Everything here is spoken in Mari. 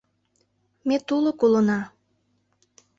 Ме тулык улына...